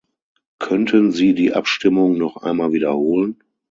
Könnten Sie die Abstimmung noch einmal wiederholen?